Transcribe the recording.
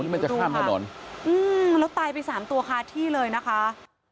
มันจะข้ามถนนอืมแล้วตายไปสามตัวคาที่เลยนะคะ